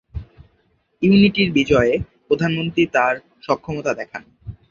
ইউনিটি’র বিজয়ে প্রধানমন্ত্রী তার সক্ষমতা দেখান।